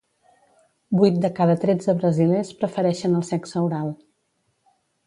Vuit de cada tretze brasilers prefereixen el sexe oral.